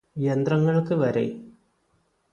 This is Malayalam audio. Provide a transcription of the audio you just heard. യന്ത്രങ്ങള്ക്ക് വരെ